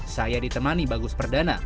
saya ditemani bagus perdana